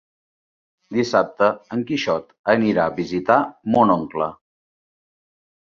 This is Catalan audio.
Dissabte en Quixot anirà a visitar mon oncle.